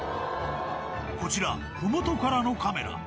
こちら、ふもとからのカメラ。